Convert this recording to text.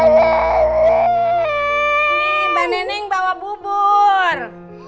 mbak neneng bawa bubur